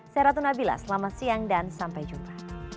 saya ratuna bila selamat siang dan sampai jumpa